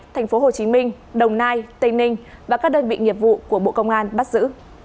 thành phố hồ chí minh đồng nai tây ninh và các đơn vị nghiệp vụ của bộ công an bắt giữ